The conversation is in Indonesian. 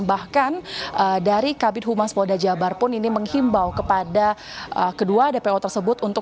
dan bahkan dari kabin humas paul dajabar pun ini menghimbau kepada kedua dpo tersebut